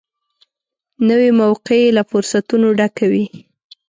نوې موقعه له فرصتونو ډکه وي